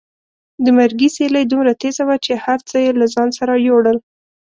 د مرګي سیلۍ دومره تېزه وه چې هر څه یې له ځان سره یوړل.